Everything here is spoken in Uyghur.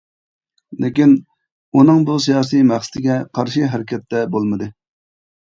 لېكىن، ئۇنىڭ بۇ سىياسىي مەقسىتىگە قارشى ھەرىكەتتە بولمىدى.